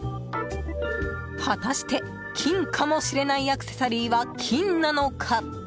果たして金かもしれないアクセサリーは金なのか？